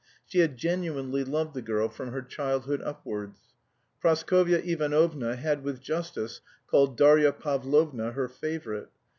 She had genuinely loved the girl from her childhood upwards. Praskovya Ivanovna had with justice called Darya Pavlovna her favourite.